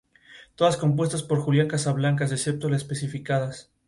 Sin embargo, el músico tenía que cumplir su contrato de grabar otro álbum.